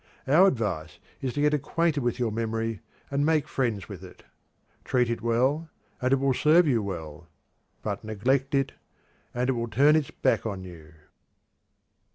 Our advice is to get acquainted with your memory, and make friends with it. Treat it well and it will serve you well. But neglect it, and it will turn its back on you.